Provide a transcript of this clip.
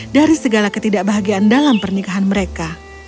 dari segala ketidakbahagiaan dalam pernikahan mereka